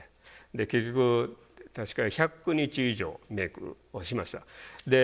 結局確か１００日以上メイクをしました。